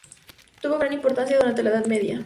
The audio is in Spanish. Tuvo gran importancia durante la Edad Media.